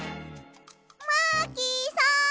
マーキーさん！